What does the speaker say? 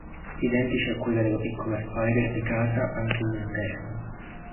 Identici a quelli della piccola spyder di Casa anche gli interni.